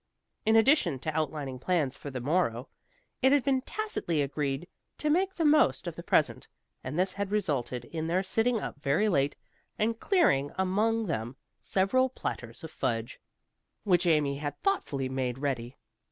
In addition to outlining plans for the morrow, it had been tacitly agreed to make the most of the present, and this had resulted in their sitting up very late and clearing among them several platters of fudge, which Amy had thoughtfully made ready.